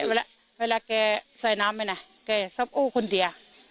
แต่เวลาแกใส่น้ำไปน่ะแกจะสบโอ้คูณเดีย